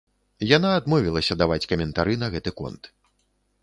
Яна адмовілася даваць каментары на гэты конт.